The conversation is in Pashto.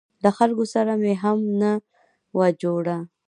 له خلکو سره مې هم نه وه جوړه.